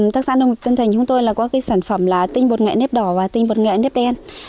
thực sản nông nghiệp tân thành chúng tôi là có cái sản phẩm là tinh bột nghệ nếp đỏ và tinh bột nghệ nếp đen